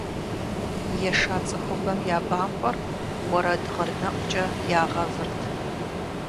Еша цӀыхубэм я бампӀэр уэрэд гъырнэӀукӀэ ягъэвырт.